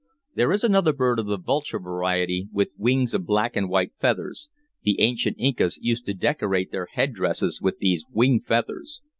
There is another bird of the vulture variety, with wings of black and white feathers. The ancient Incas used to decorate their head dresses with these wing feathers."